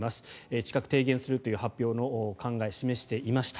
近く提言するという発表の考えを示していました。